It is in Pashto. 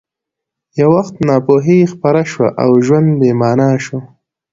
یو وخت ناپوهي خپره شوه او ژوند بې مانا شو